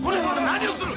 何をする！